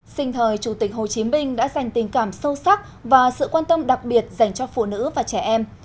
sinh thời chủ tịch hồ chí minh đã dành tình cảm sâu sắc và sự quan tâm đặc biệt dành cho phụ nữ và trẻ em